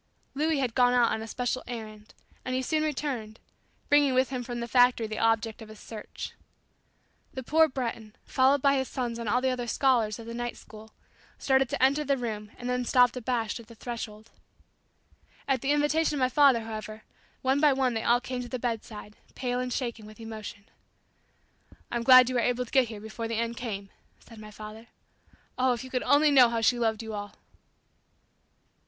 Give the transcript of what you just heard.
Louis had gone out on a special errand, and he soon returned, bringing with him from the factory the object of his search. The poor Breton, followed by his sons and all the other "scholars" of the night school, started to enter the room and then stopped abashed at the threshold. At the invitation of my father however, one by one they all came to the bedside, pale and shaken with emotion. "I'm glad you were able to get here before the end came," said my father. "Oh, if you could only know how she loved you all!"